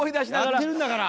やってるんだから！